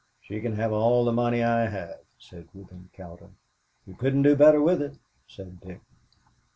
"She can have all the money I have," said Reuben Cowder. "You couldn't do better with it," said Dick.